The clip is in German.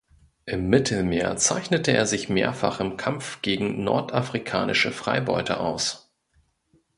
Im Mittelmeer zeichnete er sich mehrfach im Kampf gegen nordafrikanische Freibeuter aus.